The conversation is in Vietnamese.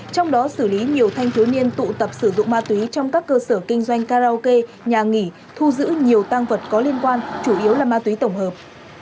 trong đó xử lý nhiều thanh thiếu niên tụ tập sử dụng ma túy trong các cơ sở kinh doanh karaoke nhà nghỉ thu giữ nhiều tăng vật có liên quan chủ yếu là ma túy tổng hợp